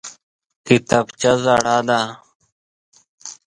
کتابچه زړه ده!